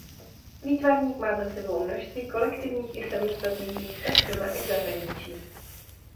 Výtvarník má za sebou množství kolektivních i samostatných výstav doma i v zahraničí.